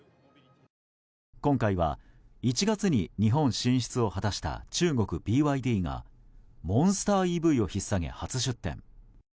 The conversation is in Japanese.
今回は、１月に日本進出を果たした中国ＢＹＤがモンスターＥＶを引っ提げ初出展。